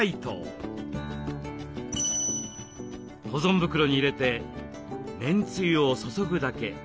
保存袋に入れてめんつゆを注ぐだけ。